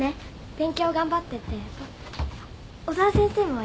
「勉強頑張って」って小沢先生も言ってた。